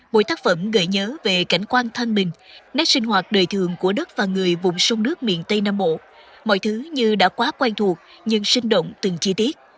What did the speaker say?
mỗi tác phẩm gợi nhớ về cảnh quan thân mình nét sinh hoạt đời thường của đất và người vùng sông nước miền tây nam bộ mọi thứ như đã quá quen thuộc nhưng sinh động từng chi tiết